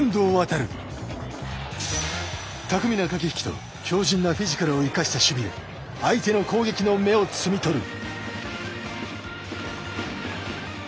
たくみな駆け引きと強じんなフィジカルを生かした守備で相手の攻撃の芽を摘み取る。